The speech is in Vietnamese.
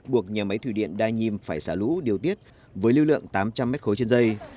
buộc nhà máy thủy điện đa nhiêm phải xả lũ điều tiết với lưu lượng tám trăm linh m ba trên dây